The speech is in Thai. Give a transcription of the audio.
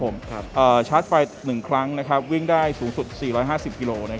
ผมชาร์จไฟ๑ครั้งวิ่งได้สูงสุด๔๕๐กิโล